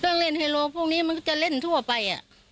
เล่นเฮโลพวกนี้มันก็จะเล่นทั่วไป